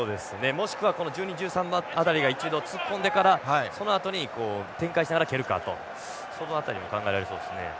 もしくは１２１３番辺りが一度突っ込んでからそのあとに展開しながら蹴るかとその辺りも考えられそうですね。